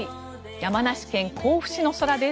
山梨県甲府市の空です。